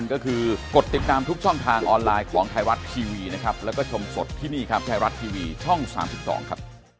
โอเคครับขอบคุณมากครับเวลาจำกัด